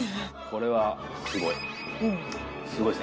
これはすごい。